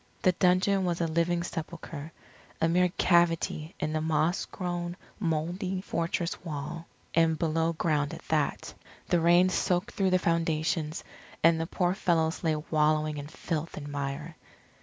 The dungeon was a living sepulchre, a mere cavity in the moss grown mouldy fortress wall, and below ground at that. The rain soaked through the foundations and the poor fellows lay wallowing in filth and mire.